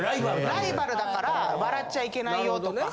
ライバルだから笑っちゃいけないよとか。